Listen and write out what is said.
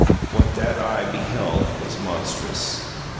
What that eye beheld was monstrous.